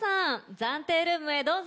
暫定ルームへどうぞ。